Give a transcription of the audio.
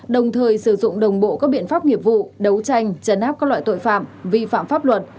đồng thời sử dụng đồng bộ các biện pháp nghiệp vụ đấu tranh chấn áp các loại tội phạm vi phạm pháp luật